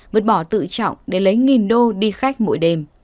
vượt bỏ tự trọng để lấy nghìn đô đi khách mỗi đêm